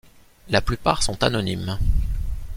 La plupart sont anonymes.